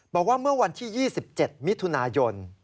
บอกว่าเมื่อวันที่๒๗มิถุนายน